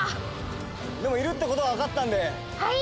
でもいるってことが分かったんで。